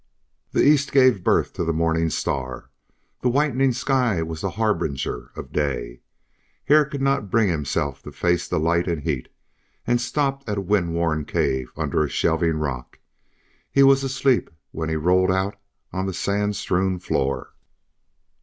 The east gave birth to the morning star. The whitening sky was the harbinger of day. Hare could not bring himself to face the light and heat, and he stopped at a wind worn cave under a shelving rock. He was asleep when he rolled out on the sand strewn floor.